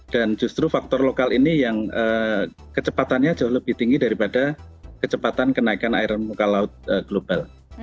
dan justru faktor lokal ini yang kecepatannya jauh lebih tinggi daripada kecepatan kenaikan air muka laut global